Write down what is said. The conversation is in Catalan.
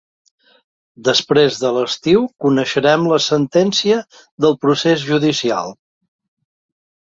Després de l'estiu coneixerem la sentència del procés judicial